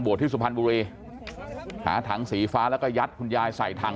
บวกที่สุพันธ์บูเลหาถังสีฟ้าแล้วก็ยัดคุณยายใส่ถัง